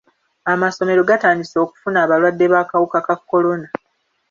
Amasomero gatandise okufuna abalwadde b'akawuka ka kolona.